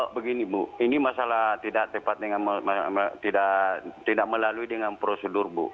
begini bu ini masalah tidak melalui dengan prosedur bu